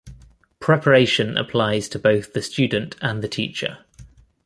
Preparation applies to both the student and the teacher.